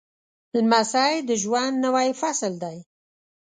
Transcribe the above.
لمسی د ژوند نوی فصل دی.